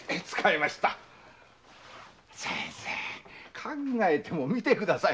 考えてもみてください